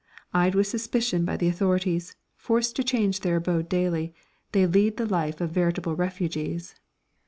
Eyed with suspicion by the authorities, forced to change their abode daily, they lead the life of veritable refugees.